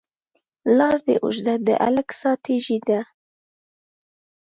لار ده اوږده، د هلک ساه تږې ده